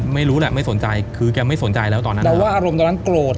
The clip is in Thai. ไม่รู้แหละไม่สนใจคือแกไม่สนใจแล้วตอนนั้นแต่ว่าอารมณ์ตอนนั้นโกรธ